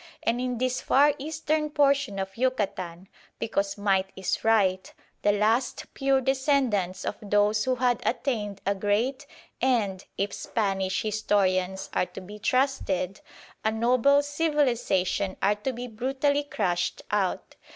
And in this far eastern portion of Yucatan, because might is right, the last pure descendants of those who had attained a great and (if Spanish historians are to be trusted) a noble civilisation are to be brutally crushed out.